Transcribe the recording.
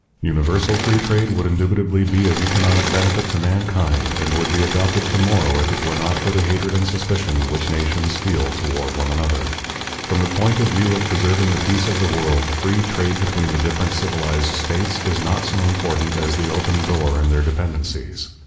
Universal free trade would indubitably be of economic benefit to mankind, and would be adopted to morrow if it were not for the hatred and suspicion which nations feel one toward another. From the point of view of preserving the peace of the world, free trade between the different civilized states is not so important as the open door in their dependencies.